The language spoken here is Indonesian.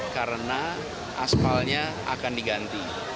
karena aspalnya akan diganti